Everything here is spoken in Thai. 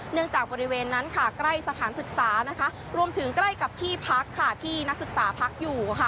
เนื่องจากบริเวณนั้นใกล้สถานศึกษารวมถึงใกล้กับที่พักที่นักศึกษาพักอยู่